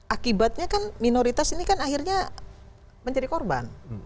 akibatnya kan minoritas ini kan akhirnya menjadi korban